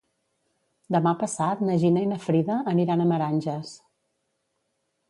Demà passat na Gina i na Frida aniran a Meranges.